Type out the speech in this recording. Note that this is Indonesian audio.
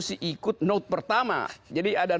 seikut note pertama jadi ada